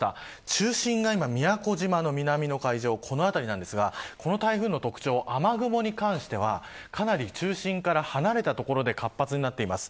中心が今、宮古島の南の海上この辺りなんですがこの台風の特徴、雨雲に関してはかなり中心から離れた所で活発になっています。